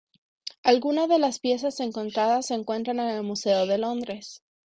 Algunas de las piezas encontradas se encuentran en el Museo de Londres.